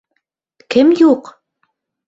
Кем юҡ?